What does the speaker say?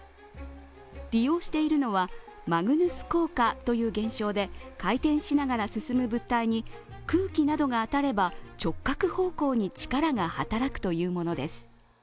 利用しているのは、マグヌス効果という現象で回転しながら進む物体に空気などが当たれば直角方向に力が働くというものです。